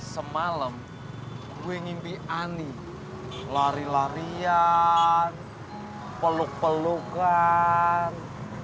semalam gue mimpi ani lari larian peluk pelukan